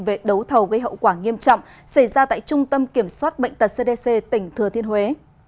về đấu thầu gây hậu quả nghiêm trọng xảy ra tại trung tâm kiểm soát bệnh tật cdc tỉnh thừa thiên huế